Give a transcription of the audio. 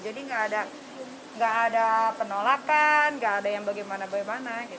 jadi gak ada penolakan gak ada yang bagaimana bagaimana gitu